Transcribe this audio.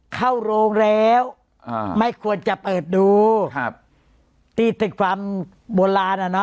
เข้าโรงแล้วอ่าไม่ควรจะเปิดดูครับที่ตึกความโบราณอ่ะเนอ